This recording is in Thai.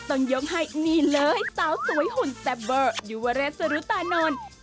ต้องยกให้นี่เลยสาวสวยหุ่นแซ่บเบอร์ยุวเรศสรุตานนท์